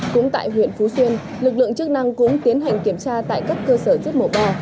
cũng tại huyện phú xuyên lực lượng chức năng cũng tiến hành kiểm tra tại các cơ sở giết mổ bò